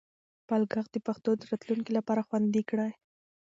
خپل ږغ د پښتو د راتلونکي لپاره خوندي کړئ.